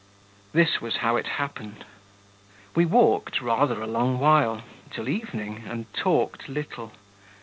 This was how it happened. We walked rather a long while, till evening, and talked little.